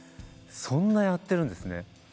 そんなやってるんですね。